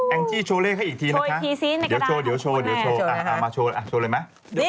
แองจี้โชว์เลขให้อีกทีนะคะเดี๋ยวโชว์มาโชว์เลยไหมโชว์ได้ค่ะเดี๋ยวค่อนข้างกินกว่าจะโชว์ให้